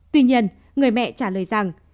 tuy nhiên người mẹ trả lời rằng